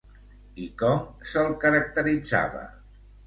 I com se'l caracteritzava?